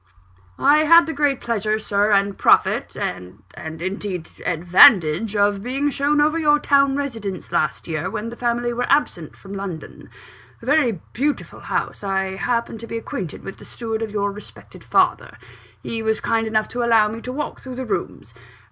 "I had the great pleasure, Sir, and profit, and and, indeed, advantage of being shown over your town residence last year, when the family were absent from London. A very beautiful house I happen to be acquainted with the steward of your respected father: he was kind enough to allow me to walk through the rooms.